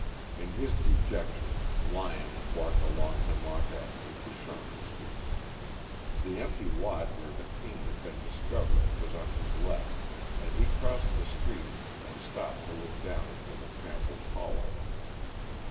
In his dejection Lyon had walked along Hemlock Avenue to Sherman Street. The empty lot where the cane had been discovered was on his left, and he crossed the street and stopped to look down into the trampled hollow.